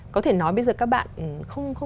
có thể nói bây giờ các bạn